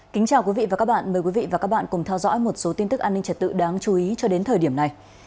kính chào quý vị và các bạn mời quý vị và các bạn cùng theo dõi một số tin tức an ninh trật tự đáng chú ý cho đến thời điểm này